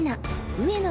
上野